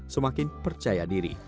semakin percaya diri